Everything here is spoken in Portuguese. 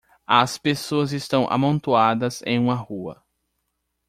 As pessoas estão amontoadas em uma rua.